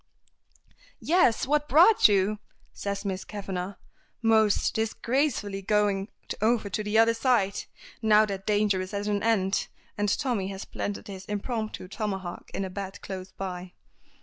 "Yes! what brought you?" says Miss Kavanagh, most disgracefully going over to the other side, now that danger is at an end, and Tommy has planted his impromptu tomahawk in a bed close by.